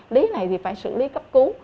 lý này thì phải xử lý cấp cứu